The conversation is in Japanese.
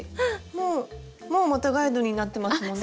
もうもうまたガイドになってますもんね。